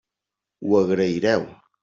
Ho agraireu.